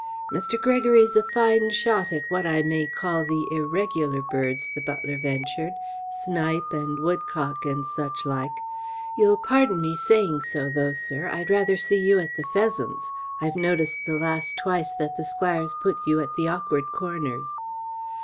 "Mr. Gregory's a fine shot at what I may call the irregular birds," the butler ventured, "snipe and woodcock and suchlike. You'll pardon me saying so though, sir, I'd rather see you at the pheasants. I've noticed the last twice that the Squire's put you at the awkward corners."